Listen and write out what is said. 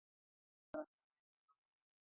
علي په هره ښادۍ کې غم جوړوي.